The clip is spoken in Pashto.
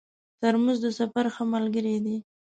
ترموز د سفر ښه ملګری دی.